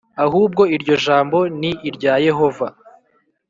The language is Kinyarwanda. ahubwo iryo jambo ni irya Yehova